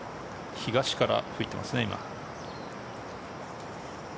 東から吹いてますね、今。